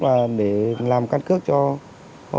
và để làm tốt đẹp trong lòng nhân dân